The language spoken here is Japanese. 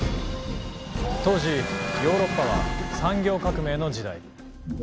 当時ヨーロッパは産業革命の時代。